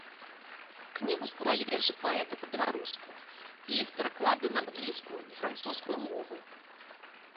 Кнігу склалі вершы паэта па-беларуску і іх пераклады на англійскую і французскую мовы.